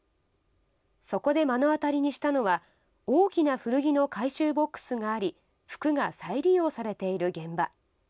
そこで目の当たりにしたのは、大きな古着の回収ボックスがあり、服が再利用されている現場。